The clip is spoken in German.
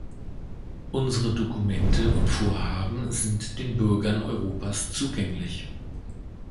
Unsere Dokumente und Vorhaben sind den Bürgern Europas zugänglich.